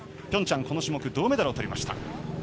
ピョンチャンではこの種目で銅メダルをとりました。